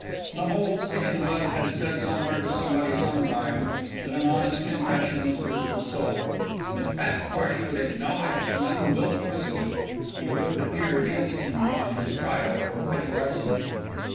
Some old stick in the mud had said somewhere, to somebody, sometime, that an honest confession was good for the soul, and if fat party would acknowledge the unbuilt whisky, he wouldn't appear against him on his trial for petty larceny.